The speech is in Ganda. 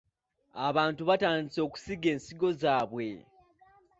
Abantu batandise okusiga ensigo zaabwe .